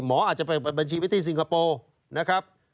หมออาจจะไปบัญชีไปที่สิงคโปร์นะครับ